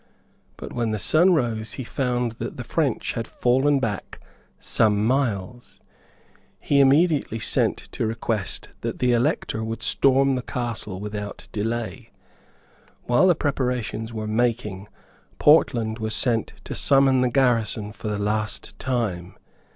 But when the sun rose he found that the French had fallen back some miles. He immediately sent to request that the Elector would storm the castle without delay. While the preparations were making, Portland was sent to summon the garrison for the last time.